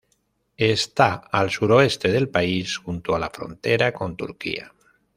Está al suroeste del país, junto a la frontera con Turquía.